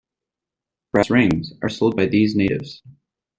Brass rings are sold by these natives.